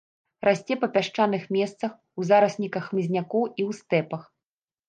Расце па пясчаных месцах, у зарасніках хмызнякоў і ў стэпах.